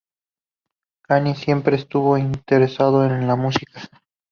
Kane siempre estuvo interesado en la música.